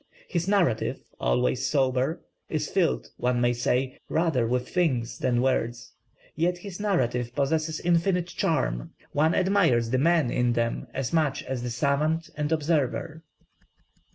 His narrative, always sober, is filled one may say rather with things than words; yet his narratives possess infinite charm; one admires the man in them as much as the savant and observer."